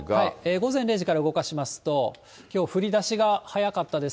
午前０時から動かしますと、きょう降りだしが早かったです。